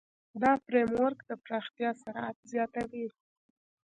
دا فریم ورک د پراختیا سرعت زیاتوي.